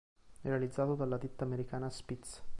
Realizzato dalla ditta americana Spitz.